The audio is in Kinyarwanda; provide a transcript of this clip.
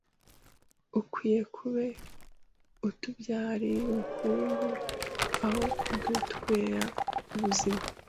ukwiye kube utubyerire ubukungu eho kudutwere ubuzime,